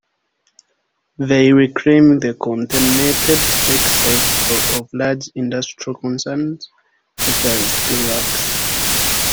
They reclaimed the contaminated ex-sites of large industrial concerns such as steelworks.